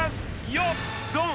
よっドン！